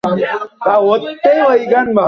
রোষে তাঁহার সর্বাঙ্গ আলোড়িত হইয়া উঠিল।